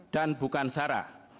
dan bukan sara